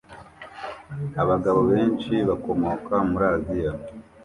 Abagabo benshi bakomoka muri Aziya